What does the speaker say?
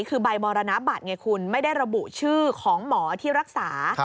คือใบมรณบัตรไงคุณไม่ได้ระบุชื่อของหมอที่รักษา